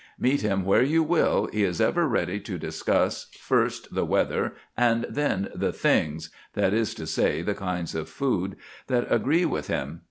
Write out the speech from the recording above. Meet him where you will, he is ever ready to discuss, first, the weather, and then the things that is to say, the kinds of food that agree with him.